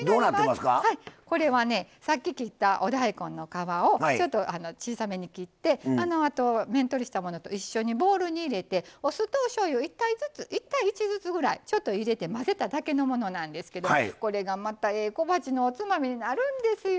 これはね、さっき切ったお大根の皮を、ちょっと小さめに切って面取りしたものと一緒にボウルに入れてお酢と、おしょうゆ１対１ずつぐらいちょっと入れて混ぜただけのものなんですけどこれがまた、いい小鉢のおつまみになるんですよ。